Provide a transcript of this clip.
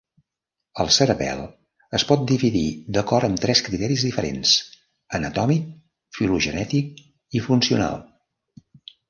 El cerebel es pot dividir d'acord amb tres criteris diferents: anatòmic, filogenètic i funcional.